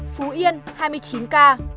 phú yên hai mươi chín ca